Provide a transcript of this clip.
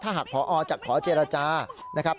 ถ้าหากพอจากขเจรจานะครับ